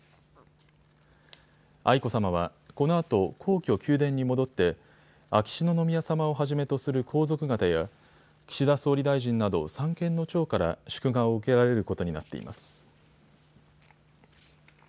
愛子さまは、このあと皇居・宮殿に戻って秋篠宮さまをはじめとする皇族方や岸田総理大臣など三権の長から祝賀を受けられることになっています。